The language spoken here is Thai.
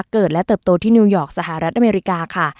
เกิดและเติบโตที่นิวยอร์กสหรัฐอเมริกาค่ะ